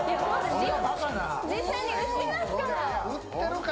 実際に売ってますから。